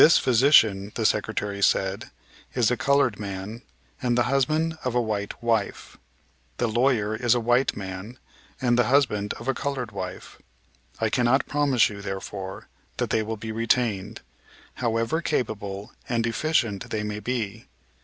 "This physician," the Secretary said, "is a colored man, and the husband of a white wife. The lawyer is a white man, and the husband of a colored wife. I cannot promise you, therefore, that they will be retained, however capable and efficient they may be.